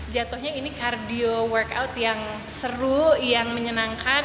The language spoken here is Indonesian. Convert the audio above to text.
jatuhnya ini kardio workout yang seru yang menyenangkan